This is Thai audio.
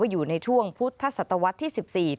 อยู่ในช่วงพุทธศตวรรษที่๑๔